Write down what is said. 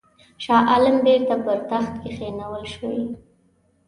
شاه عالم بیرته پر تخت کښېنول شوی دی.